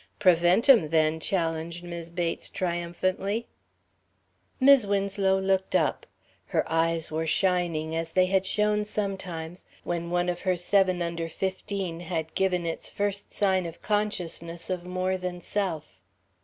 "Prevent 'em, then!" challenged Mis' Bates, triumphantly. Mis' Winslow looked up. Her eyes were shining as they had shone sometimes when one of her seven under fifteen had given its first sign of consciousness of more than self.